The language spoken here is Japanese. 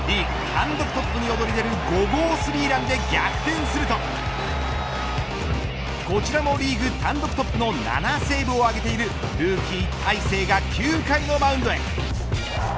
単独トップに躍り出る５号スリーランで逆転するとこちらもリーグ単独トップの７セーブを挙げているルーキー大勢が９回のマウンドへ。